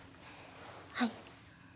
はい。